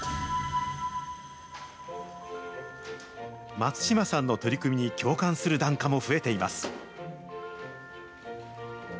松島さんの取り組みに共感する檀家も増えています。